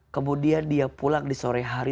kemudian dia pulang di sore hari